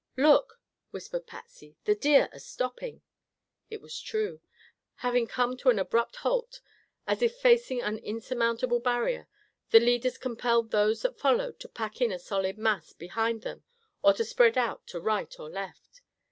"Look," whispered Patsy, "the deer are stopping." It was true. Having come to an abrupt halt, as if facing an insurmountable barrier, the leaders compelled those that followed to pack in a solid mass behind them or to spread out to right or left.